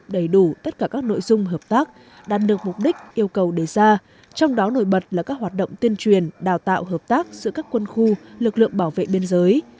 đầy đủ tất cả các nội dung hợp tác đạt được mục đích yêu cầu đề ra trong đó nổi bật là các hoạt động tuyên truyền đào tạo hợp tác giữa các quân khu lực lượng bảo vệ biên giới